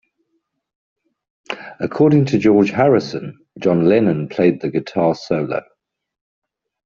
According to George Harrison, John Lennon played the guitar solo.